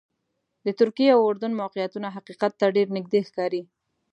د ترکیې او اردن موقعیتونه حقیقت ته ډېر نږدې ښکاري.